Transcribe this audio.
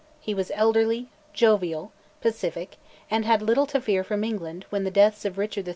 He was elderly, jovial, pacific, and had little to fear from England when the deaths of Edward III.